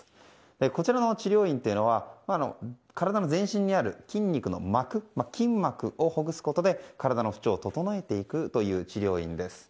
こちらの治療院というのは体の全身にある筋肉の膜筋膜をほぐすことで体の不調を整えていくという治療院です。